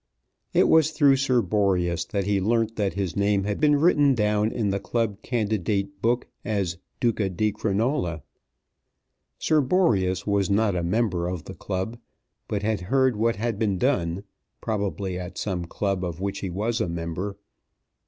It was through Sir Boreas that he learnt that his name had been written down in the club Candidate Book as "Duca di Crinola." Sir Boreas was not a member of the club, but had heard what had been done, probably at some club of which he was a member.